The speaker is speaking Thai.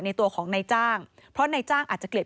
ตัวของนายจ้างเพราะนายจ้างอาจจะเกล็ด